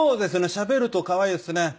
しゃべると可愛いですね。